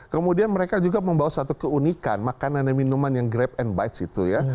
kemudian mereka juga membawa satu keunikan makanan dan minuman yang grab and bite